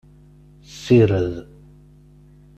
Ssired.